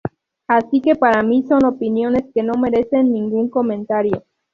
Así que para mí son opiniones que no merecen ningún comentario".